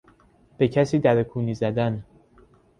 به کسی در کونی زدن